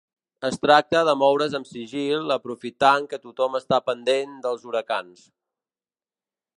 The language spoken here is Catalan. Es tracta de moure's amb sigil aprofitant que tothom està pendent dels huracans.